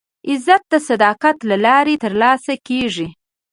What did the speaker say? عزت د صداقت له لارې ترلاسه کېږي.